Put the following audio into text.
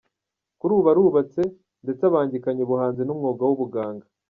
Kuri ubu arubatse ndetse abangikanya ubuhanzi n’umwuga w’ubuganga.